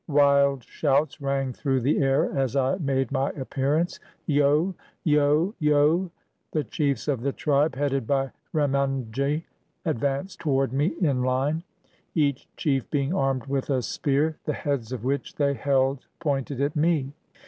Wild shouts rang through the air as I made my appearance — "Fo.' yo! yoV The chiefs of the tribe, headed by Remandji, advanced to ward me in line, each chief being armed with a spear, the heads of which they held pointed at me.